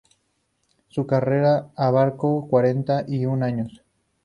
Su carrera abarcó cuarenta y un años.